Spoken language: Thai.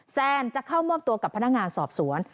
แซนจะเข้ามอบตัวกับพนักงานสอบสวน